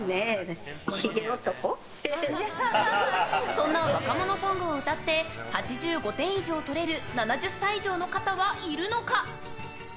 そんな若者ソングを歌って８５点以上取れる７０歳以上の方はいるのか？